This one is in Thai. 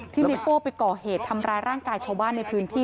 ในโป้ไปก่อเหตุทำร้ายร่างกายชาวบ้านในพื้นที่